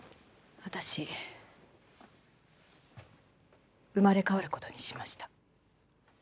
私生まれ変わる事にしました。